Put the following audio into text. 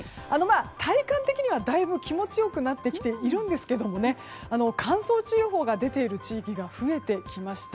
体感的にはだいぶ気持ちよくなってきているんですが乾燥注意報が出ている地域が増えてきました。